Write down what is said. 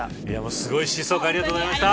すごい疾走感ありがとうございました。